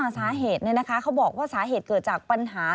สาเหตุเนี่ยนะคะเค้าบอกว่าสาเหตุเกิดจากปัญหา